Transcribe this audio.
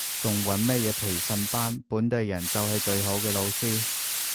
仲揾乜嘢培訓班，本地人就係最好嘅老師